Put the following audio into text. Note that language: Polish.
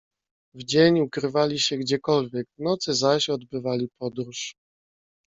"W dzień ukrywali się gdziekolwiek, w nocy zaś odbywali podróż."